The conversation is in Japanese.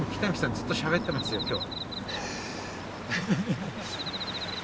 ずっとしゃべってますよ今日。